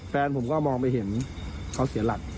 แฟนผมก็มองไปเห็นเขาเสียหลัก